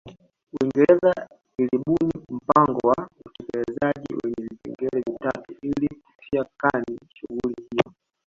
Uingereza ilibuni mpango wa utekelezaji wenye vipengele vitatu ili kutia kani shughuli hiyo